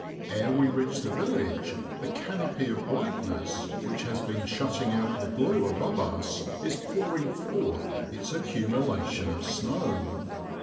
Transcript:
Ere we reach the village, the canopy of blackness which has been shutting out the blue above us is pouring forth its accumulation of snow.